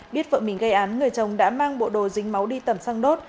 biết vợ mình gây án người chồng đã mang bộ đồ dính máu đi tầm sang đốt